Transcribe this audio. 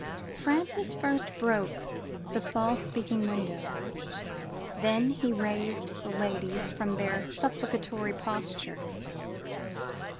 "Francis first broke the false speaking window, then he raised the ladies from their supplicatory posture.